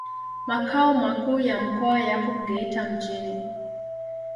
Makao makuu ya mkoa yapo Geita mjini.